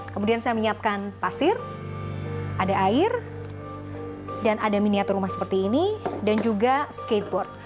kemudian saya menyiapkan pasir ada air dan ada miniatur rumah seperti ini dan juga skateboard